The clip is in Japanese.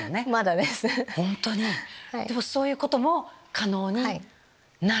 でもそういうことも可能になる。